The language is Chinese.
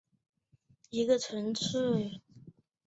蓬图希克是巴西米纳斯吉拉斯州的一个市镇。